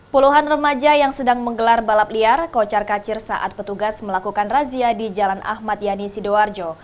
puluhan remaja yang sedang menggelar balap liar kocar kacir saat petugas melakukan razia di jalan ahmad yani sidoarjo